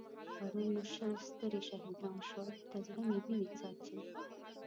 پرون مو شل سترې شهيدان شول؛ تر زړه مې وينې څاڅي.